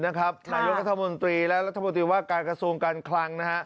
นายกรัฐมนตรีและรัฐบนทิวรรณการกระทรวมการครั้ง